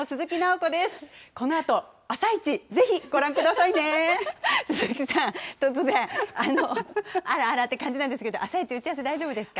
このあとあさイチ、ぜひご覧くだ鈴木さん、突然、あらあらって感じなんですけれども、あさイチ、打ち合わせ大丈夫ですか？